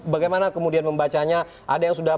bagaimana kemudian membacanya ada yang sudah